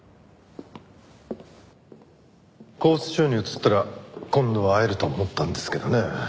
拘置所に移ったら今度は会えると思ったんですけどね。